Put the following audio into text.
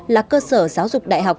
là cơ sở giáo dục đại học